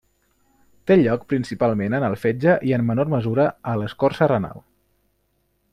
Té lloc principalment en el fetge i en menor mesura a l'escorça renal.